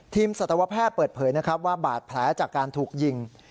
สัตวแพทย์เปิดเผยนะครับว่าบาดแผลจากการถูกยิง